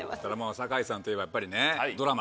酒井さんといえばやっぱりねドラマ